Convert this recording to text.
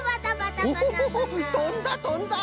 オホホホッとんだとんだ！